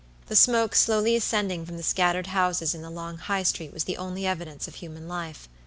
The smoke slowly ascending from the scattered houses in the long High street was the only evidence of human life.